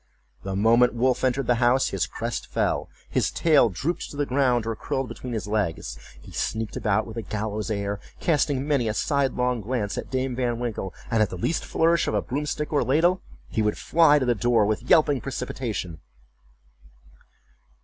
The moment Wolf entered the house his crest fell, his tail drooped to the ground, or curled between his legs, he sneaked about with a gallows air, casting many a sidelong glance at Dame Van Winkle, and at the least flourish of a broom stick or ladle, he would fly to the door with yelping precipitation.